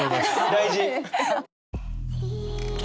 大事。